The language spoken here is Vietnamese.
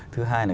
thứ hai là